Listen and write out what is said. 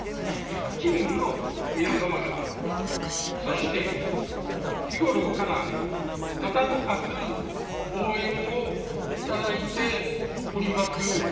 チームの皆様方、そして日頃から温かく応援をいただいております